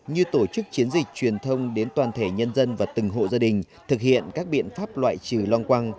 như tổ chức chiến dịch truyền thông đến toàn thể nhân dân và từng hộ gia đình thực hiện các biện pháp loại trừ loang quang